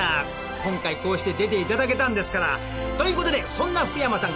今回こうして出て頂けたんですから。という事でそんな福山さん